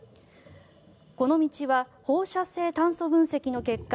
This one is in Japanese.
この道は放射性炭素分析の結果